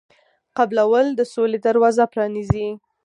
قبلول د سولې دروازه پرانیزي.